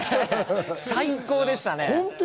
最高でした！